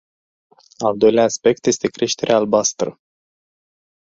Al doilea aspect este creșterea albastră.